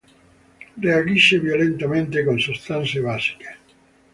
Reagisce violentemente con sostanze basiche.